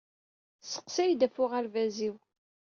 Tesseqsa-iyi-d ɣef uɣerbaz-iw.